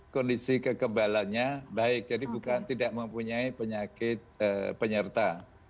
kondisi kekebalannya baik jadi bukan tidak mempunyai penyakit penyerta